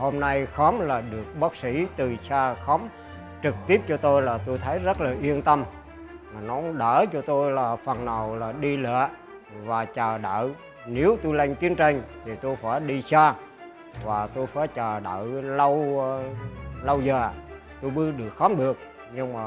ông đào kim lân sáu mươi bảy tuổi sống ở xã tịnh minh huyện sơn tịnh tỉnh quảng nam